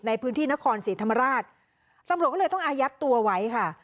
ในพื้นที่นครศรีธรรมราชตำรวจก็เลยต้องอายัดตัวไว้ค่ะ